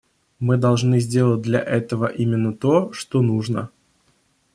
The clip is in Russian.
Мы должны сделать для этого именно то, что нужно.